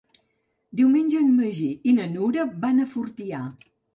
Diumenge en Magí i na Nura van a Fortià.